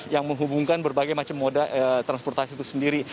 yang menghubungkan berbagai macam moda transportasi itu sendiri